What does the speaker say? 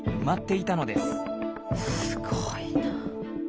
すごいな。